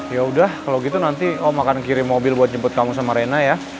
ya udah kalau gitu nanti om akan kirim mobil buat jemput kamu sama rena ya